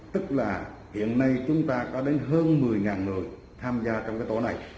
tức là hiện nay chúng ta có đến hơn một mươi người tham gia trong cái tổ này